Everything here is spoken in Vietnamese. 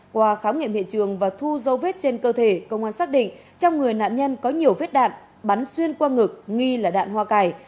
qua khám nghiệm hiện trường và thu dấu vết trên cơ thể công an xác định trong người nạn nhân có nhiều vết đạn bắn xuyên qua ngực nghi là đạn hoa cải